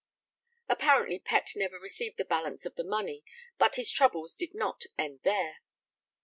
] Apparently Pett never received the balance of the money, but his troubles did not end there.